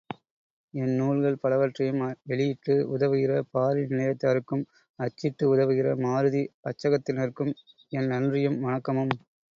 என் நூல்கள் பலவற்றையும் வெளியிட்டு உதவுகிற பாரி நிலையத்தாருக்கும், அச்சிட்டு உதவுகிற மாருதி அச்சகத்தினர்க்கும் என் நன்றியும், வணக்கமும்.